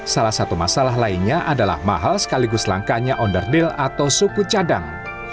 salah satu masalah lainnya adalah mahal sekaligus langkanya onderdeal atau suku cadang